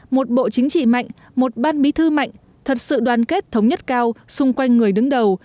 một bộ chính trị mạnh một ban bí thư mạnh thật sự đoàn kết thống nhất cao xung quanh người đứng đầu